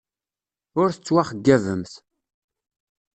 Ur tettwaxeyyabemt.